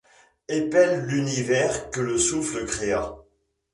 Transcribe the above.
Épèle l’univers que le souffle créa